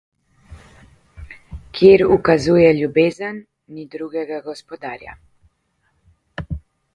Kjer ukazuje ljubezen, ni drugega gospodarja.